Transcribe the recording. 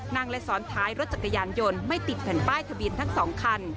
นั่งและซ้อนท้ายรถจักรยานยนต์ไม่ติดแผ่นป้ายทะเบียนทั้งสองคัน